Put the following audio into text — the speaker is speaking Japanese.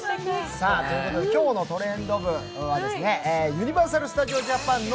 「トレンド部」はユニバーサル・スタジオ・ジャパンの